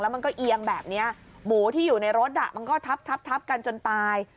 มันก็เอียงแบบนี้หมูที่อยู่ในรถมันก็ทับกันจนตาย